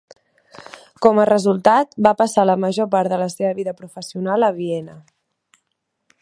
Com a resultat, va passar la major part de la seva vida professional a Viena.